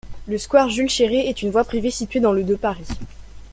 Le square Jules-Chéret est une voie privée située dans le de Paris.